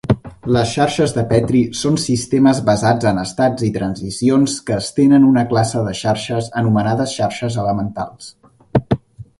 Les xarxes de Petri són sistemes basats en estats i transicions que estenen una classe de xarxes anomenades xarxes elementals.